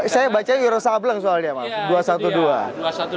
saya baca yerosablenk soalnya mas